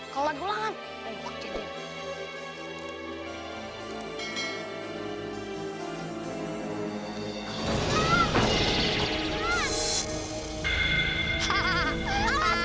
kalau lagi lahan